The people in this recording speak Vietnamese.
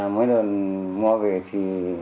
mỗi lần mua về thì